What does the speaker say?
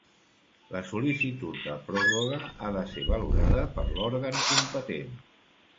La sol·licitud de pròrroga ha de ser valorada per l'òrgan competent.